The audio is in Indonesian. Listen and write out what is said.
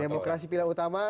demokrasi pilihan utama